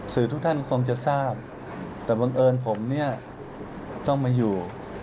สื่อทุกท่านคงจะรู้แต่วังเอิญผมต้องมาอยู่